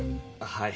はい。